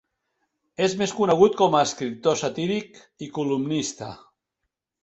És més conegut com a escriptor satíric i columnista.